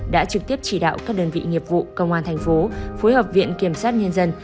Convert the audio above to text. đã trực tiếp chỉ đạo các đơn vị nghiệp vụ công an tp phối hợp viện kiểm soát nhân dân